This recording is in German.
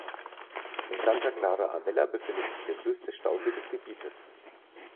In Santa Clara-a-Velha befindet sich der größte Stausee des Gebietes.